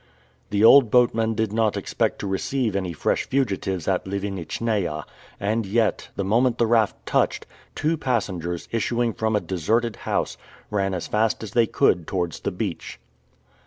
The old boatman did not expect to receive any fresh fugitives at Livenitchnaia, and yet, the moment the raft touched, two passengers, issuing from a deserted house, ran as fast as they could towards the beach.